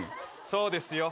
そうですよ。